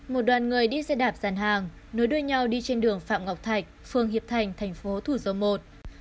một đoàn người đi xe đạp dàn hàng nối đuôi nhau đi trên đường phạm ngọc thạch phường hiệp thành thành phố thủ dầu một